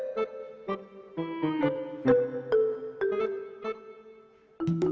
freak itu temen sampai ini